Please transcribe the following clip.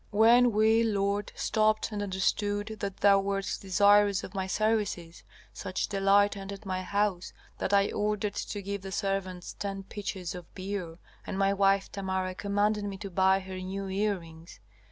"When we, lord, stopped and understood that thou wert desirous of my services, such delight entered my house that I ordered to give the servants ten pitchers of beer, and my wife Tamara commanded me to buy her new earrings.